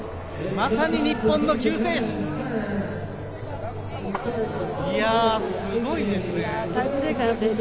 まさに日本の救世主。